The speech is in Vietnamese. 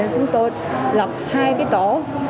chúng tôi lập hai tổ